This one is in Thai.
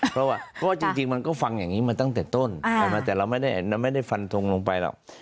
เพราะว่าก็จริงมันก็ฟังอย่างนี้มาตั้งแต่ต้นแต่เราไม่ได้ฟันทงลงไปหรอก